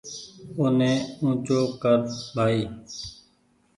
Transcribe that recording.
اوني اونچو ڪر ڀآئي